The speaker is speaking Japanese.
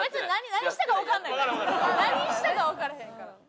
何したかわからへんから。